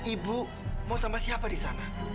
ibu mau sama siapa disana